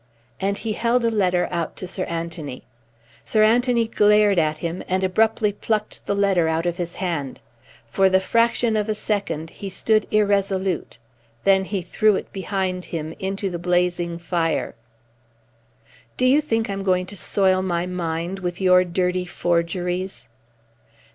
And he held a letter out to Sir Anthony. Sir Anthony glared at him and abruptly plucked the letter out of his hand; for the fraction of a second he stood irresolute; then he threw it behind him into the blazing fire. "Do you think I'm going to soil my mind with your dirty forgeries?"